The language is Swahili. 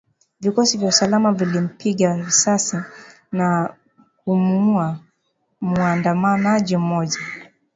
Vikosi vya usalama vilimpiga risasi na kumuuwa muandamanaji mmoja